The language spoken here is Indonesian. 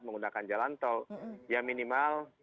menggunakan jalan tol ya minimal